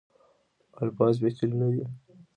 الفاظ پیچلي نه دي.